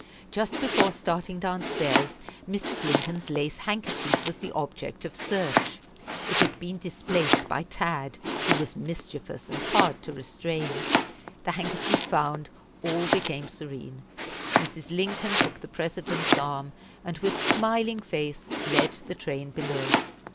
Just before starting downstairs, Mrs. Lincoln's lace handkerchief was the object of search. It had been displaced by Tad, who was mischievous, and hard to restrain. The handkerchief found, all became serene. Mrs. Lincoln took the President's arm, and with smiling face led the train below.